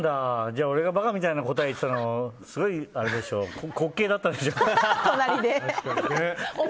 じゃあ、俺がバカみたいな答え言ってたのすごい滑稽だったでしょ。